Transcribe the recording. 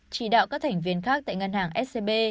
chỉ đạo các thành viên khác tại ngân hàng scb